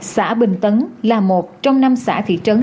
xã bình tấn là một trong năm xã thị trấn